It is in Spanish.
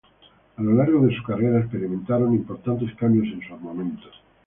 A lo largo de su carrera experimentaron importantes cambios en su armamento.